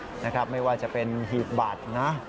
อุปกรณ์ต่างนะครับไม่ว่าจะเป็นหีบบัตรนะ